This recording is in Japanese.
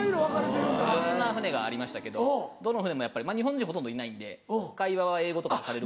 いろんな船がありましたけどどの船もやっぱり日本人ほとんどいないんで会話は英語とかでされる。